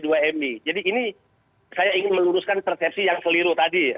jadi ini saya ingin meluruskan persepsi yang keliru tadi ya